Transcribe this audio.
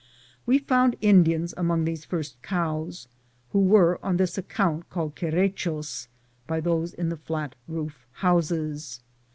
We found Indians among these first cows, who were, on this account, called Querechos by those in the flat roof houses.